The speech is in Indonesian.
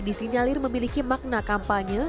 disinyalir memiliki makna kampanye